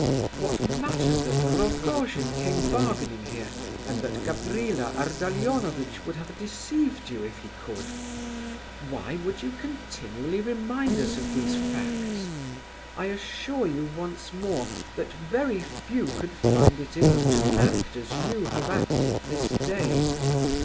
What matter that Rogojin came bargaining here, and that Gavrila Ardalionovitch would have deceived you if he could? Why do you continually remind us of these facts? I assure you once more that very few could find it in them to act as you have acted this day.